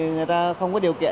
người ta không có điều kiện